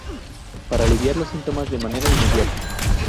Para aliviar los síntomas de manera inmediata.